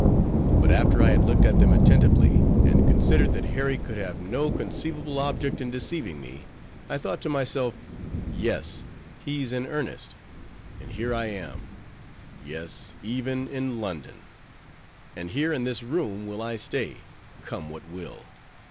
But after I had looked at them attentively, and considered that Harry could have no conceivable object in deceiving me, I thought to myself, Yes, he's in earnest; and here I am—yes, even in London! And here in this room will I stay, come what will.